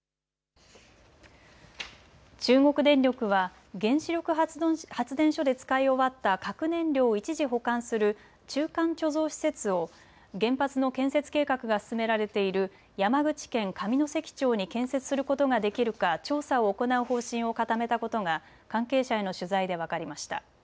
中国電力は原子力発電所で使い終わった核燃料を一時保管する中間貯蔵施設を原発の建設計画が進められている山口県上関町に建設することができるか調査を行う方針を固めたことが関係者への取材で分かりました。